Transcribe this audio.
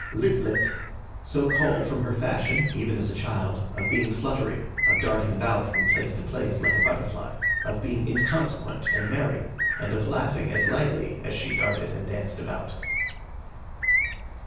"Lit lit," so called from her fashion, even as a child, of being fluttery, of darting about from place to place like a butterfly, of being inconsequent and merry, and of laughing as lightly as she darted and danced about.